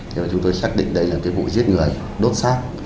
cho nên chúng tôi xác định đây là một vụ giết người đốt xác